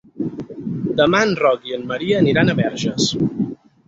Demà en Roc i en Maria aniran a Verges.